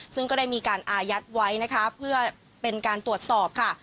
ซึ่งก็ได้มีการอายัดไว้นะคะเพื่อเป็นการตรวจสอบค่ะ